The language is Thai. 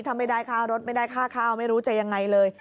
ถ้าไม่ได้ค่ารถไม่ได้ค่าข้าวไม่รู้จะยังไงเลย